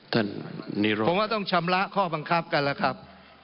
ผมว่าต้องชำระข้อบังคับกันล่ะครับ